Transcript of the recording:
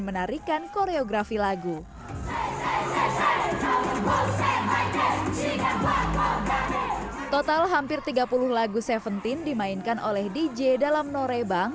menarikan koreografi lagu total hampir tiga puluh lagu tujuh belas dimainkan oleh dj dalam norebang